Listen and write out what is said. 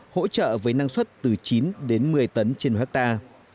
hỗ trợ với năng suất từ chín đến một mươi tấn trên hectare